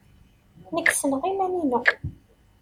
Nekk ssneɣ iman-inu.